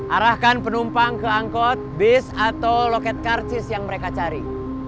arahkan penumpang ke angkot bis atau loket karcis yang mereka cari